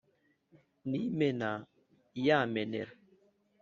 Ni imena iyamenera